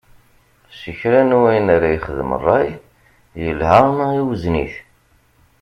Si kra n wayen ara yexdem, ṛṛay, yelha ma iwzen-it.